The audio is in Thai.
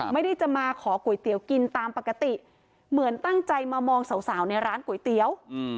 ไม่ได้จะมาขอก๋วยเตี๋ยวกินตามปกติเหมือนตั้งใจมามองสาวในร้านก๋วยเตี๋ยว